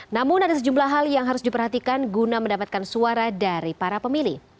namun ada sejumlah hal yang harus diperhatikan guna mendapatkan suara dari para pemilih